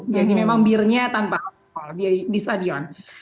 jadi memang birnya tanpa alkohol di stadion